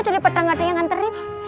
dari petang gak ada yang nganterin